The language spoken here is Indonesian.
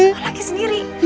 sama laki sendiri